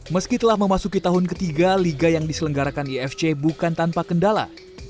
meski telah memasuki tahun ketiga liga yang diselenggarakan ifc bukan tanpa kendala